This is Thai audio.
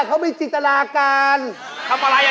ขับหากละมายอ่ะ